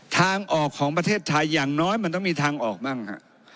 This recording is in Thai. ทางออกของประเทศไทยอย่างน้อยมันต้องมีทางออกบ้างฮะ